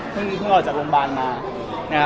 เพิ่งออกจากโรงพยาบาลมานะฮะ